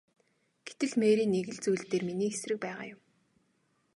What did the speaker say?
Гэтэл Мэри нэг л зүйл дээр миний эсрэг байгаа юм.